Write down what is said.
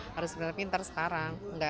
harus bener bener pinter sekarang